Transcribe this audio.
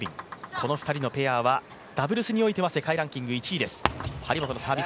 この２人のペアはダブルスにおいては世界ランキング１位です。